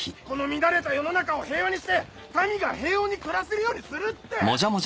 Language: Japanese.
この乱れた世の中を平和にして民が平穏に暮らせるようにするって！